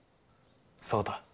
「そうだ。